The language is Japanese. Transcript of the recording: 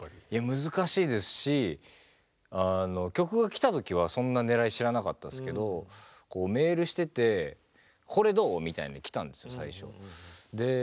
難しいですし曲が来た時はそんなねらい知らなかったですけどメールしててこれどう？みたいに来たんですよ最初。